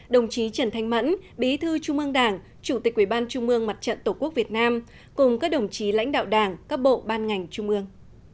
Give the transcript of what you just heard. đồng chí trần thanh mẫn bí thư trung ương đảng chủ tịch quỹ ban trung mương mặt trận tổ quốc việt nam cùng các đồng chí lãnh đạo đảng các bộ ban ngành trung ương